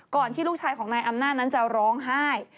ที่ลูกชายของนายอำนาจนั้นจะร้องไห้